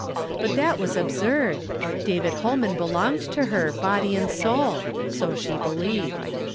Hut that was absurd! David liolman belonged to her, body and soul — so she believed.